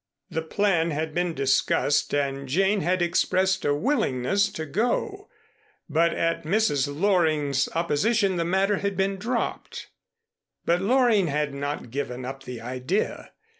The plan had been discussed and Jane had expressed a willingness to go. But at Mrs. Loring's opposition the matter had been dropped. But Loring had not given up the idea.